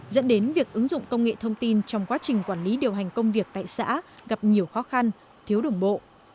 dẫn đến việc ứng dụng công nghệ thông tin trong quá trình quản lý điều hành công việc tại xã gặp nhiều khó khăn thiếu đồng bộ